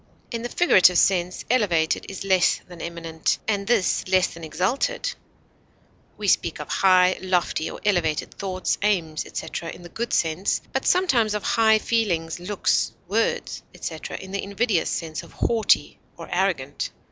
In the figurative sense, elevated is less than eminent, and this less than exalted; we speak of high, lofty, or elevated thoughts, aims, etc., in the good sense, but sometimes of high feelings, looks, words, etc., in the invidious sense of haughty or arrogant.